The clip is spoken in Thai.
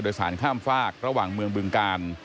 โดยสารข้ามฝากระหว่างเมืองบึงกาล